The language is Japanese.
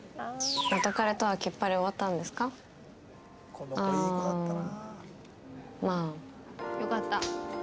この子いい子だったな。